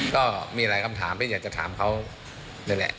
ก็มีหลายคำถามที่อยากจะถามเขานั่นแหละ